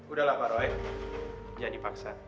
udahlah pak rai jangan dipaksa